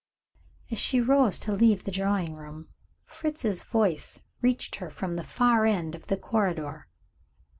As she rose to leave the drawing room, Fritz's voice reached her from the far end of the corridor.